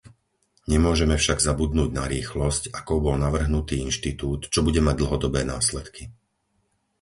Nemôžeme však zabudnúť na rýchlosť, akou bol navrhnutý inštitút, čo bude mať dlhodobé následky.